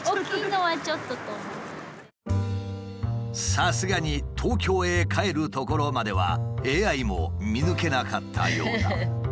さすがに東京へ帰るところまではＡＩも見抜けなかったようだ。